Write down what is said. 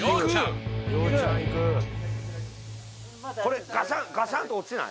これガシャンと落ちない？